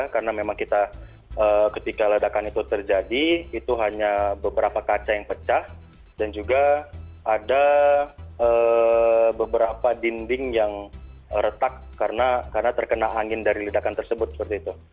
karena memang kita ketika ledakan itu terjadi itu hanya beberapa kaca yang pecah dan juga ada beberapa dinding yang retak karena terkena angin dari ledakan tersebut seperti itu